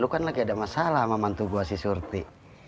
lu kan lagi ada masalah sama mantu gua si surti